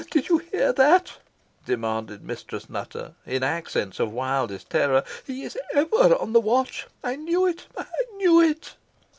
"Did you hear that?" demanded Mistress Nutter, in accents of wildest terror. "He is ever on the watch. I knew it I knew it."